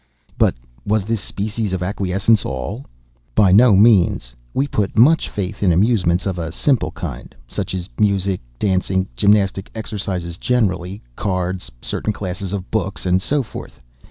"But was this species of acquiescence all?" "By no means. We put much faith in amusements of a simple kind, such as music, dancing, gymnastic exercises generally, cards, certain classes of books, and so forth.